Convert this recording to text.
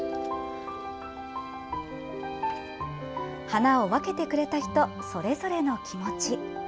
花を分けてくれた人それぞれの気持ち。